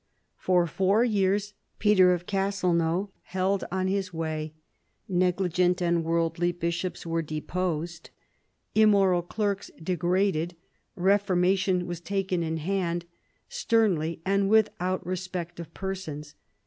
For four years Peter of Castelnau held on his way. Negligent and worldly bishops were deposed, immoral clerks de graded, reformation was taken in hand sternly and without respect of persons.